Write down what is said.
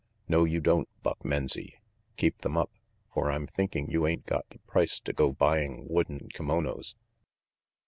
"No you don't, Buck Menzie. Keep them up, for I'm thinking you ain't got the price to go buying wooden kimonos.